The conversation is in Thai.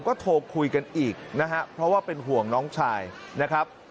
ก็โทรคุยกันอีกนะฮะเพราะว่าเป็นห่วงน้องชายนะครับ